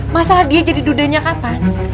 masalah dia jadi dudanya kapan